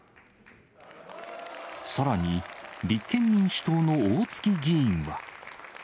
さらに、立憲民主党の大築議員は。